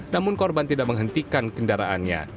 namun korban tidak menghentikan kendaraannya